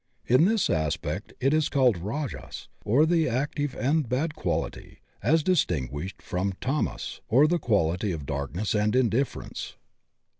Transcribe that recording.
In this aspect it is called rajas or the active and bad quality, as dis tinguished from tamas, or the quality of darkness and indifference.